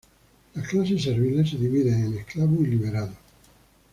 Las clases serviles se dividen en esclavos y liberados.